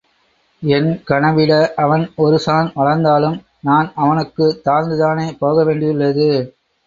என் கனவிட அவன் ஒரு சாண் வளர்ந்தாலும் நான் அவனுக்குத் தாழ்ந்துதானே போக வேண்டியுள்ளது?